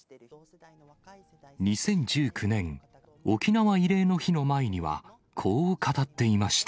２０１９年、沖縄慰霊の日の前には、こう語っていました。